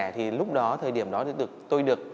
thì lúc đó thời điểm đó tôi được